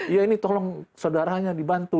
ya ini tolong saudaranya dibantu